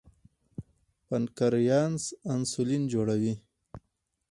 پانکریاس انسولین جوړوي.